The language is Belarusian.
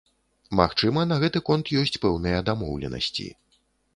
Магчыма, на гэты конт ёсць пэўныя дамоўленасці.